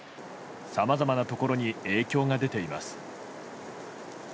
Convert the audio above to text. さまざまなところに影響が出ています。